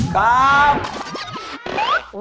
ครับ